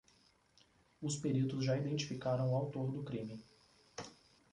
Os peritos já identificaram o autor do crime.